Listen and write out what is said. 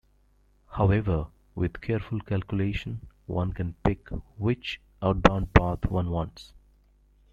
However, with careful calculation, one can pick "which" outbound path one wants.